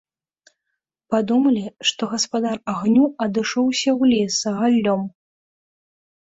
Падумалі, што гаспадар агню адышоўся ў лес за галлём.